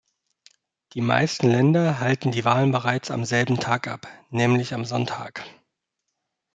Die meisten Länder halten die Wahlen bereits am selben Tag ab, nämlich am Sonntag.